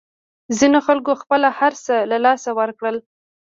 ځینو خلکو خپل هرڅه له لاسه ورکړل.